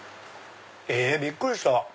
びっくりした！